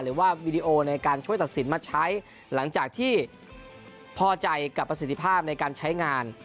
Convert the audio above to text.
หรือว่าวีดีโอในการช่วยตัดสินมาใช้หลังจากที่พอใจกับประสิทธิภาพในการใช้งาน